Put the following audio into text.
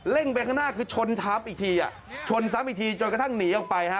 ่งไปข้างหน้าคือชนทับอีกทีอ่ะชนซ้ำอีกทีจนกระทั่งหนีออกไปฮะ